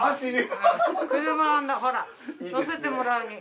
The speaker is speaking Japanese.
車ほら乗せてもらうに。